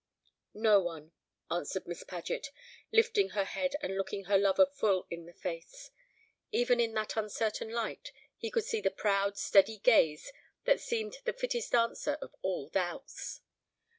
"No one," answered Miss Paget, lifting her head, and looking her lover full in the face. Even in that uncertain light he could see the proud steady gaze that seemed the fittest answer of all doubts.